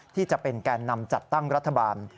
ที่จะเป็นแก่นำจัดตั้งรัฐบาล